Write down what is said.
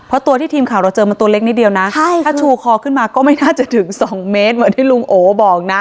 เพราะตัวที่ทีมข่าวเราเจอมันตัวเล็กนิดเดียวนะถ้าชูคอขึ้นมาก็ไม่น่าจะถึงสองเมตรเหมือนที่ลุงโอบอกนะ